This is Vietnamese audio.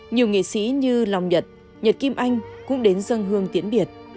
nhiều nghệ sĩ như lòng nhật nhật kim anh cũng đến dân hương tiễn biệt